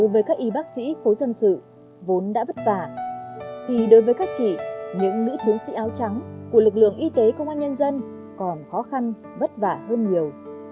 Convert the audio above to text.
với các y bác sĩ khối dân sự vốn đã vất vả thì đối với các chị những nữ chiến sĩ áo trắng của lực lượng y tế công an nhân dân còn khó khăn vất vả hơn nhiều